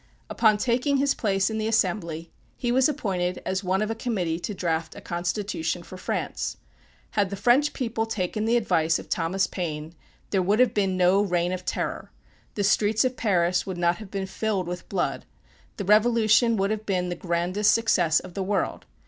Upon taking his place in the Assembly he was appointed as one of a committee to draft a constitution for France. Had the French people taken the advice of Thomas Paine there would have been no "reign of terror." The streets of Paris would not have been filled with blood. The revolution would have been the grandest success of the world.